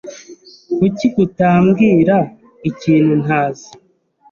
Kuki utambwira ikintu ntazi?